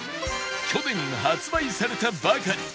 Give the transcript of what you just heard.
去年発売されたばかり！